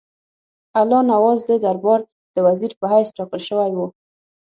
الله نواز د دربار د وزیر په حیث ټاکل شوی وو.